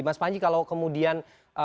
mas panji kalau kemudian